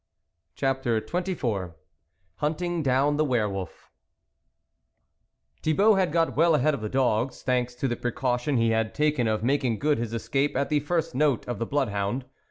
CHAPTER XXIV HUNTING DOWN THE WERE WOLF IHIBAULT had got well ahead of the dogs, thanks to the precaution id taken of making good his escape at the first note of the bloodhound.